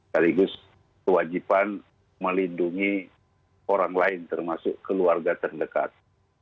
dari itu kewajiban melindungi orang lain termasuk keluarga terdekat